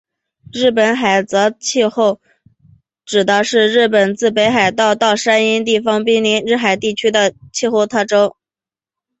日本海侧气候指的是日本自北海道到山阴地方滨临日本海侧地区的冬型气候的特征。